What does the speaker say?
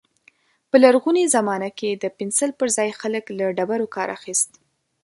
په لرغوني زمانه کې د پنسل پر ځای خلک له ډبرو کار اخيست.